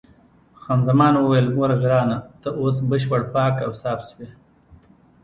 خان زمان وویل: ګوره ګرانه، ته اوس بشپړ پاک او صاف شوې.